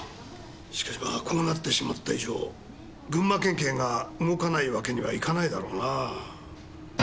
しかしまあこうなってしまった以上群馬県警が動かないわけにはいかないだろうなぁ。